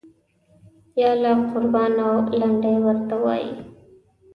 یاله قربان او لنډۍ ورته وایي.